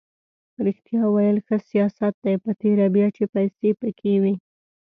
ریښتیا ویل ښه سیاست دی په تېره بیا چې پیسې پکې وي.